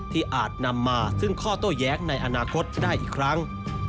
อาจนำมาซึ่งข้อโต้แย้งในอนาคตได้อีกครั้ง